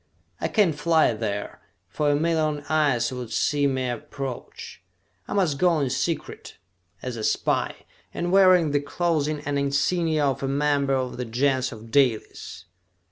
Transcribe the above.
I can't fly there, for a million eyes would see me approach! I must go in secret, as a spy, and wearing the clothing and insignia of a member of the Gens of Dalis!"